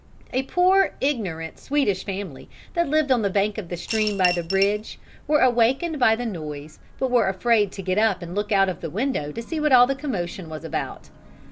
A poor, ignorant Swedish family that lived on the bank of the stream by the bridge were awakened by the noise but were afraid to get up and look out of the window to see what all the commotion was about.